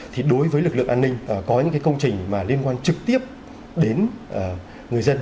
thì đối với lực lượng an ninh có những cái công trình mà liên quan trực tiếp đến người dân